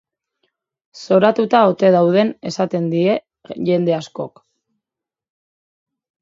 Zoratuta ote dauden esaten die jende askok.